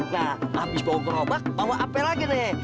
nah habis bawa kerobak bawa apa lagi nih